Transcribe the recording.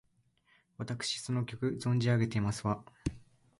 わたくしその曲、存じ上げてますわ！